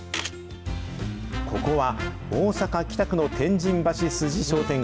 ここは、大阪・北区の天神橋筋商店街。